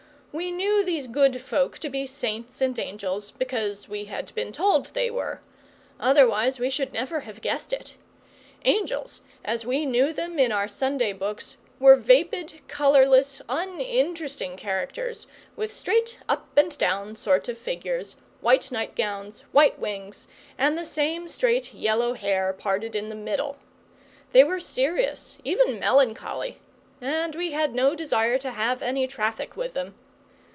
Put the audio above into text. We knew these good folk to be saints and angels, because we had been told they were; otherwise we should never have guessed it. Angels, as we knew them in our Sunday books, were vapid, colourless, uninteresting characters, with straight up and down sort of figures, white nightgowns, white wings, and the same straight yellow hair parted in the middle. They were serious, even melancholy; and we had no desire to have any traffic with them.